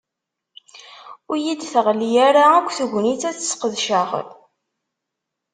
Ur yi-d-teɣli ara yakk tegnit ad tt-ssqedceɣ.